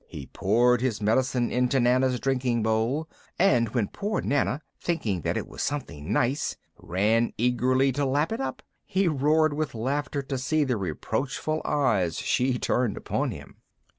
He poured his medicine into Nana's drinking bowl, and when poor Nana, thinking that it was something nice, ran eagerly to lap it up, he roared with laughter to see the reproachful eyes she turned upon him.